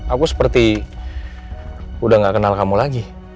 aku seperti udah gak kenal kamu lagi